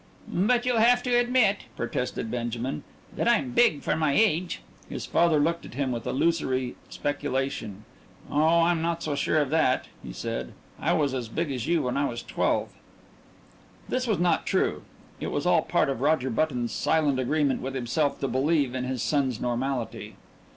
"But you'll have to admit," protested Benjamin, "that I'm big for my age." His father looked at him with illusory speculation. "Oh, I'm not so sure of that," he said. "I was as big as you when I was twelve." This was not true it was all part of Roger Button's silent agreement with himself to believe in his son's normality.